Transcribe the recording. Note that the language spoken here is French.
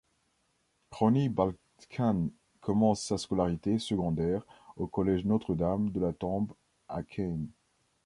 Ronny Balcaen commence sa scolarité secondaire au Collège Notre-Dame de la Tombe à Kain.